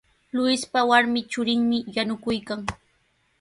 Luispa warmi churinmi yanukuykan.